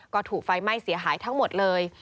ก็ถูกไฟไหม้เสียหายทั้งหมดเลย